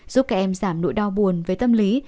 giúp các em giảm nỗi đau buồn về tâm lý